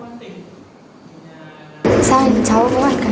sao em cháu có hoàn cảnh khó khăn